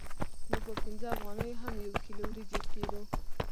نو په پنځه افغانیو هم یو کیلو وریجې پېرو